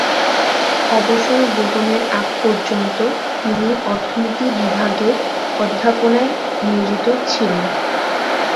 অবসর গ্রহণের আগ পর্যন্ত তিনি অর্থনীতি বিভাগে অধ্যাপনায় নিয়োজিত ছিলেন।